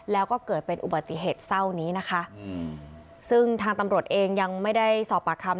แล้วก็เกิดเป็นอุบัติเหตุเศร้านี้นะคะอืมซึ่งทางตำรวจเองยังไม่ได้สอบปากคำ